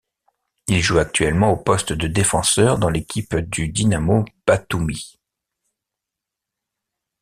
Il joue actuellement au poste de défenseur dans l'équipe du Dinamo Batoumi.